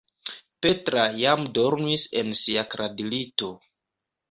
Petra jam dormis en sia kradlito.